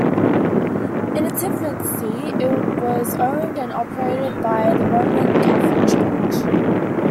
In its infancy, it was owned and operated by the Roman Catholic Church.